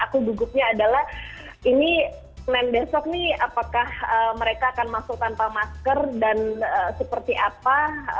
aku gugupnya adalah ini senin besok nih apakah mereka akan masuk tanpa masker dan seperti apa